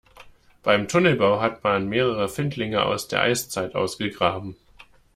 Beim Tunnelbau hat man mehrere Findlinge aus der Eiszeit ausgegraben.